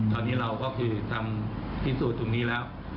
ตอนนี้เราก็คือทำพิสูจน์ตรงนี้แล้ว